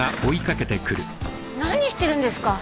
何してるんですか！？